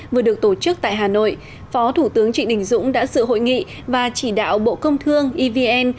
vừa được tổ chức tại hà nội phó thủ tướng trịnh đình dũng đã sự hội nghị và chỉ đạo bộ công thương evn